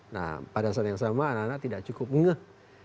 nah pada saat yang sama anak anak tidak cukup ngeh